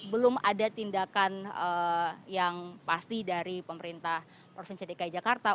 belum ada tindakan yang pasti dari pemerintah provinsi dki jakarta